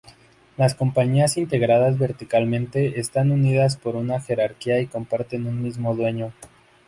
Las compañías integradas verticalmente están unidas por una jerarquía y comparten un mismo dueño.